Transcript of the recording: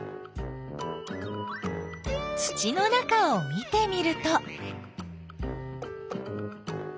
土の中を見てみると。